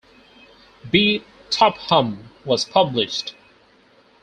B. Topham was published.